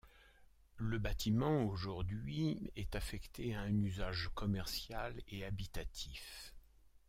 Le bâtiment, aujourd'hui, est affecté à un usage commercial et habitatif.